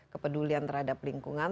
kepedulian terhadap lingkungan